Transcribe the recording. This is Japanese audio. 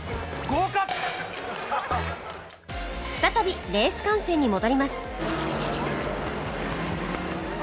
再びレース観戦に戻ります